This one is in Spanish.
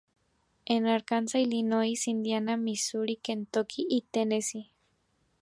En Arkansas, Illinois, Indiana, Missouri, Kentucky, y Tennessee.